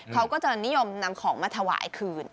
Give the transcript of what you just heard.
เขาก็จะนิยมนำของมาถวายคืน